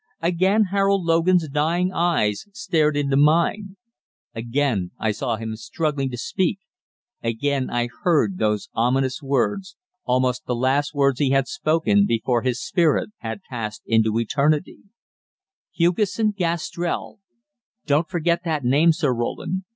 Again Harold Logan's dying eyes stared into mine; again I saw him struggling to speak; again I heard those ominous words, almost the last words he had spoken before his spirit had passed into Eternity: "Hugesson Gastrell don't forget that name, Sir Roland.